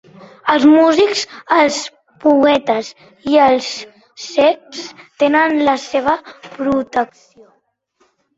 Els músics, els poetes i els cecs tenen la seva protecció.